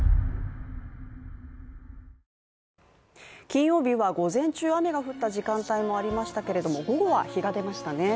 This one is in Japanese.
金曜日午前中、雨が降った時間帯もありましたけれども、午後は日が出ましたね。